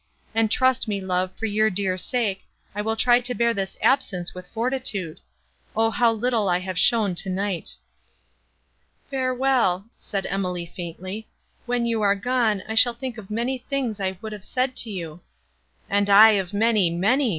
And trust me, love, for your dear sake, I will try to bear this absence with fortitude. O how little I have shown tonight!" "Farewell!" said Emily faintly. "When you are gone, I shall think of many things I would have said to you." "And I of many—many!"